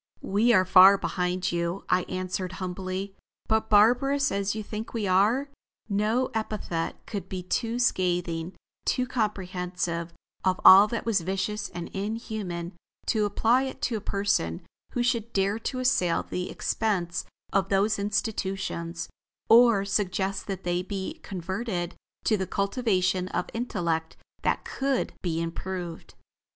"We are far behind you," I answered humbly. "But barbarous as you think we are, no epithet could be too scathing, too comprehensive of all that was vicious and inhuman, to apply to a person who should dare to assail the expense of those institutions, or suggest that they be converted to the cultivation of intellect that could be improved."